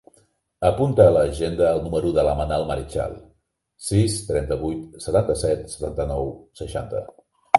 Apunta a l'agenda el número de la Manal Marichal: sis, trenta-vuit, setanta-set, setanta-nou, seixanta.